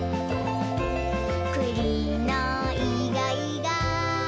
「くりのいがいが」